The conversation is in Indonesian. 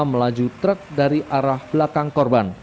melaju truk dari arah belakang korban